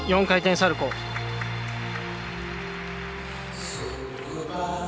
４回転サルコー。